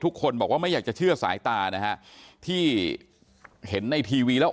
ทุกคนบอกว่าไม่อยากจะเชื่อสายตานะฮะที่เห็นในทีวีแล้ว